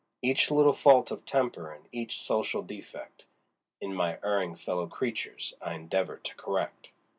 Each little fault of temper and each social defect In my erring fellow creatures, I endeavor to correct.